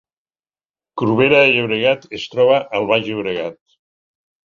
Corbera de Llobregat es troba al Baix Llobregat